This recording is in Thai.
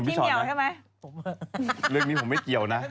โอ้โหมดามจะเศร้าหน่อยนะ